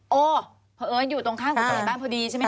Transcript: เพราะเอิ้นอยู่ตรงข้างของเตรียมบ้านพอดีใช่ไหมคะ